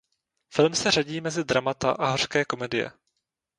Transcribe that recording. Film se řadí mezi dramata a hořké komedie.